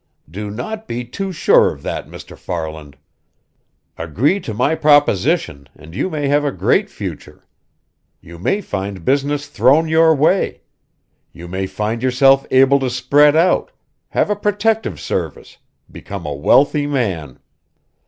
"Do not be too sure of that, Mr. Farland. Agree to my proposition and you may have a great future. You may find business thrown your way. You may find yourself able to spread out, have a protective service, become a wealthy man.